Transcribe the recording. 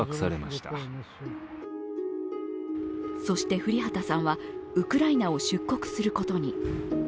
そして降旗さんはウクライナを出国することに。